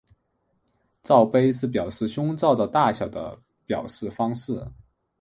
罩杯是表示胸罩的大小的表示方式。